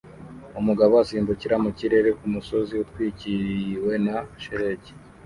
Umugabo asimbukira mu kirere kumusozi utwikiriwe na shelegi